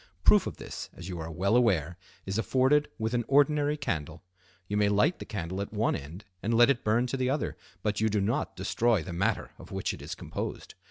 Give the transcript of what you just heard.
Proof of this, as you are well aware, is afforded with an ordinary candle. You may light the candle at one end and let it burn to the other, but you do not destroy the matter of which it is composed.